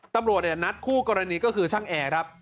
ตำรวจนัดคู่กรณีก็คือช่างแอร์ครับ